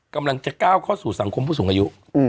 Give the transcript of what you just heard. กำลังจะก้าวเข้าสู่สังคมผู้สูงอายุ